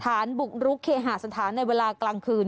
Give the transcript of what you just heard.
ฐานบุกรุกเคหาสถานในเวลากลางคืน